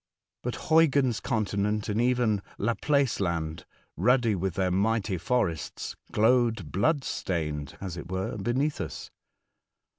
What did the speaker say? But Huyghens continent and even Laplace land, ruddy with their mighty forests, glowed blood stained, as it were, beneath us.